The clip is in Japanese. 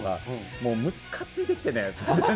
もうむかついてきてね。